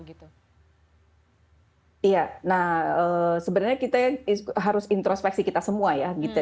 iya nah sebenarnya kita harus introspeksi kita semua ya